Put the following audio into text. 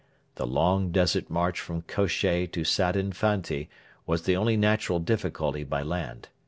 The long desert march from Kosheh to Sadin Fanti was the only natural difficulty by land.